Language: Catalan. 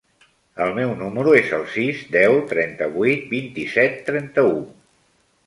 El meu número es el sis, deu, trenta-vuit, vint-i-set, trenta-u.